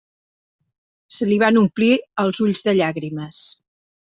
Se li van omplir els ulls de llàgrimes.